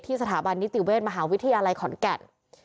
สถาบันนิติเวชมหาวิทยาลัยขอนแก่น